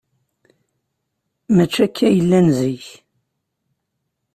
Maci akka ay llan zik.